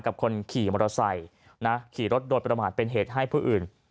กับคนขี่มอเตอร์ไซค์นะขี่รถโดยประมาทเป็นเหตุให้ผู้อื่น